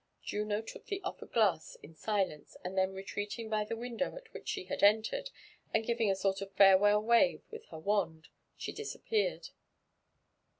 Juno took the olTered glass in silence, and then retreating by the window at which she had entered, and giving a sort of farewell wave with her wand, she disappeared.